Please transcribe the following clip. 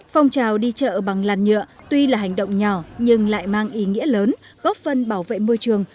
phong trào đi chợ bằng làn nhựa tuy là hành động nhỏ nhưng lại mang ý nghĩa lớn góp phân bảo vệ môi trường